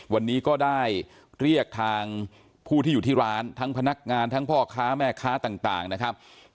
วันนี้ก็ได้เรียกทางผู้ที่อยู่ที่ร้านทั้งพนักงานทั้งพ่อค้าแม่ค้าต่างนะครับ